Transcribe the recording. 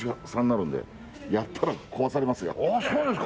そうですか。